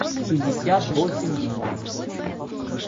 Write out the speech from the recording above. пятьдесят восемь лимонов